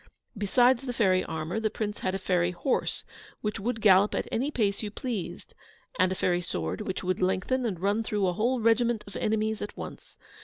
Besides the fairy armour, the Prince had a fairy horse, which would gallop at any pace you pleased; and a fairy sword, which would lengthen and run through a whole regiment of enemies at once.